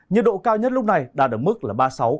nhiệt độ cao nhất lúc này đạt được mức là